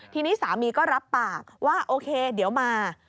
ทีนี้สามีก็รับปากว่าโอเคเดี๋ยวมา